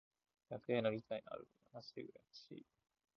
オタクへの理解のある親まじ羨ましい。